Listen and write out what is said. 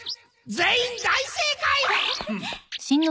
全員大正解！